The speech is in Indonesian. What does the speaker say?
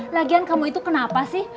lagian kamu itu kenapa sih